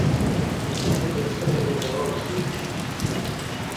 کسے دوستے کنے گا ہوسی اٹھی